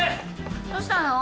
どうしたの？